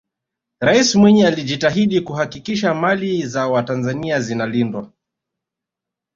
raisi mwinyi alijitahidi kuhakikisha mali za watanzania zinalindwa